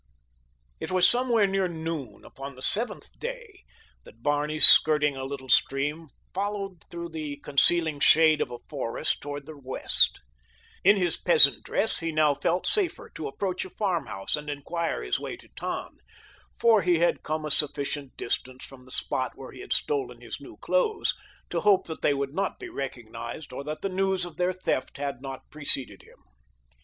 It was somewhere near noon upon the seventh day that Barney skirting a little stream, followed through the concealing shade of a forest toward the west. In his peasant dress he now felt safer to approach a farmhouse and inquire his way to Tann, for he had come a sufficient distance from the spot where he had stolen his new clothes to hope that they would not be recognized or that the news of their theft had not preceded him.